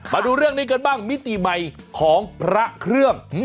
มาดูเรื่องนี้กันบ้างมิติใหม่ของพระเครื่อง